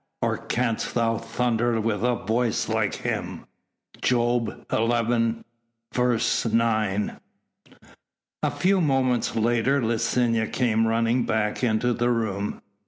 or canst thou thunder with a voice like him." JOB XL. 9. A few moments later Licinia came running back into the room.